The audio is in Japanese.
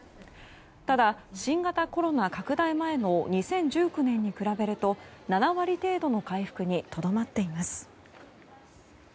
ただ、新型コロナ拡大前の２０１９年に比べると７割程度の回復にとどまっています。